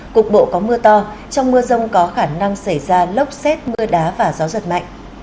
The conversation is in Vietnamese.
cục bộ có mưa to trong mưa rông có khả năng xảy ra lốc xét mưa đá và gió giật mạnh